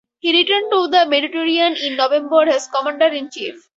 He returned to the Mediterranean in November as commander-in-chief.